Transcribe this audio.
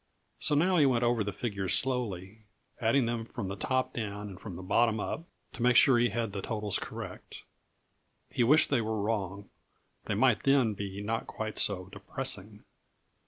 So now he went over the figures slowly, adding them from the top down and from the bottom up, to make sure he had the totals correct. He wished they were wrong; they might then be not quite so depressing.